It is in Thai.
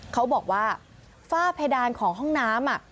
เขาบอกว่าฝ้าเพดานของห้องน้ำ